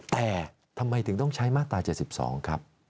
แต่ทำไมถึงต้องใช้มาตรา๗๒ครับ